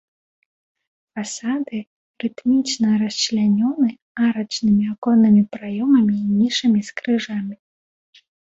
Фасады рытмічна расчлянёны арачнымі аконнымі праёмамі і нішамі з крыжамі.